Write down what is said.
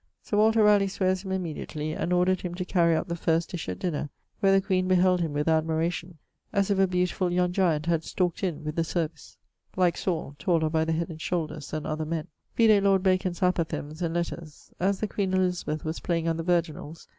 Sir Walter Raleigh sweares him immediately; and ordered him to carry up the first dish at dinner, where the Queen beheld him with admiration[LXIX.], as if a beautifull young giant had stalked in with the service. [LXIX.] Like Saul, taller by the head and shoulders then other men. Vide lord Bacon's apothegms and letters. As the queen (Elizabeth) was playing on the virginalls